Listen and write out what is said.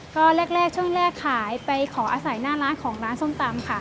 ก็แรกช่วงแรกขายไปขออาศัยหน้าร้านของร้านส้มตำค่ะ